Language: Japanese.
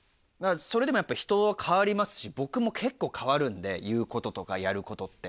それでもやっぱ人は変わりますし僕も結構変わるんで言うこととかやることって。